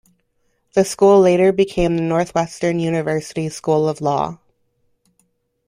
The school later became the Northwestern University School of Law.